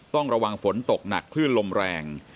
ต้องระวังฝนตกหนักคลื่นลมแรง